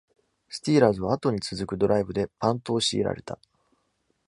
スティーラーズは、後に続くドライブでパントを強いられた。